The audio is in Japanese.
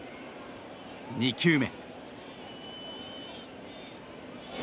２球目。